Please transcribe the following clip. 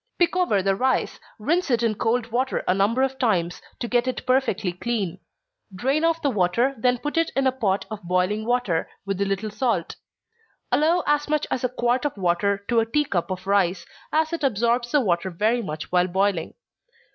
_ Pick over the rice, rinse it in cold water a number of times, to get it perfectly clean; drain off the water, then put it in a pot of boiling water, with a little salt. Allow as much as a quart of water to a tea cup of rice, as it absorbs the water very much while boiling.